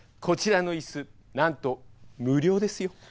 こちらの椅子なんと無料ですよ。